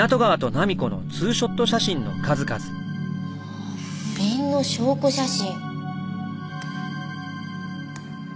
ああ不倫の証拠写真。